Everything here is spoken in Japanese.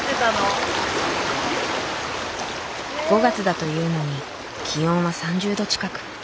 ５月だというのに気温は３０度近く。